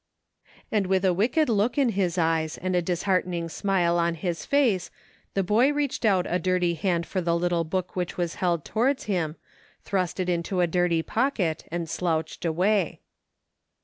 And with a wicked look in his eyes, and a dis heartening smile on his face, the boy reached out a dirty hand for the little book which was held towards him, thrust it into a dirty pocket, and slouched away.